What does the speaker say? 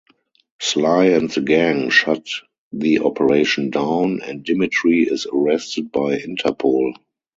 Sly and the gang shut the operation down and Dimitri is arrested by Interpol.